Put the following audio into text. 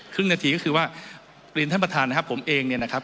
ครึ่งนาทีก็คือว่าเรียนท่านประธานนะครับผมเองเนี่ยนะครับ